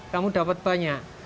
kamu dapat banyak